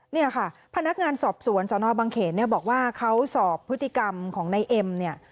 เนี่ยค่ะพนักงานสอบสวนสนบังเขนเนี่ยบอกว่าเขาสอบพฤติกรรมของนายเอ็มเนี่ย